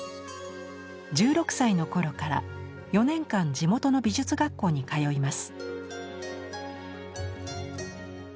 １６歳の頃から４年間地元の美術学校に通います。